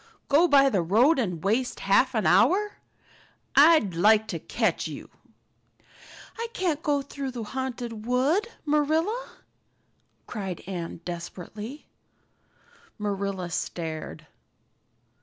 "Go by the road and waste half an hour! I'd like to catch you!" "I can't go through the Haunted Wood, Marilla," cried Anne desperately. Marilla stared.